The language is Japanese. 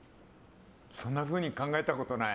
そんなふうに考えたことない。